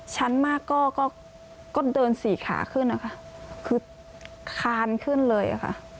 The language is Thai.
ชั้นมากก็ก็เดินสี่ขาขึ้นนะคะคือคานขึ้นเลยค่ะ